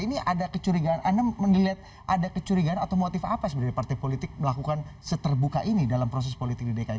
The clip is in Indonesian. ini ada kecurigaan anda melihat ada kecurigaan atau motif apa sebenarnya partai politik melakukan seterbuka ini dalam proses politik di dki